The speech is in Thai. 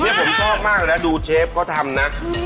นี่ผมชอบมากนะดูเชฟเขาทำนะ